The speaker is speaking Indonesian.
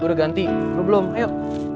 gue udah ganti lo belum ayo